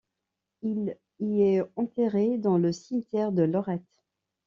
Il y est enterré, dans le cimetière de Lorette.